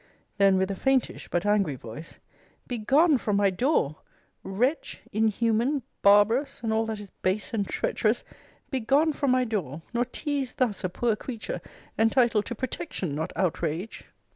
Then, with a faintish, but angry voice, begone from my door! Wretch! inhuman, barbarous, and all that is base and treacherous! begone from my door! Nor tease thus a poor creature, entitled to protection, not outrage.